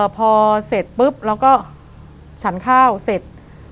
พอเสร็จปุ๊บเราก็ฉันข้าวเสร็จ